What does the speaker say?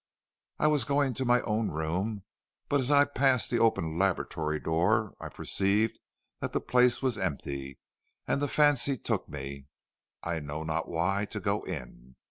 "I was going to my own room, but as I passed the open laboratory door, I perceived that the place was empty, and the fancy took me, I know not why, to go in.